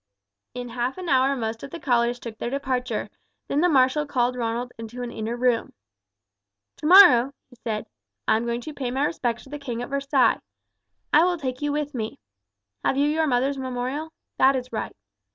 In half an hour most of the callers took their departure, then the marshal called Ronald into an inner room. "Tomorrow," he said, "I am going to pay my respects to the king at Versailles. I will take you with me. Have you your mother's memorial? That is right.